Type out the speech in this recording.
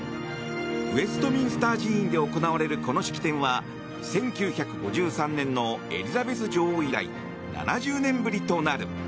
ウェストミンスター寺院で行われる、この式典は１９５３年のエリザベス女王以来７０年ぶりとなる。